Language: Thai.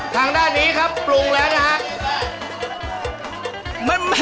ทางด้านนี้ครับปรุงแล้วนะครับ